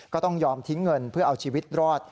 ก็ต้องยอมทิ้งเงินเพื่อเอาชีวิตรอด